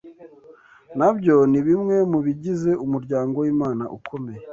nabyo ni bimwe mu bigize umuryango w’Imana ukomeye